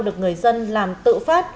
được người dân làm tự phát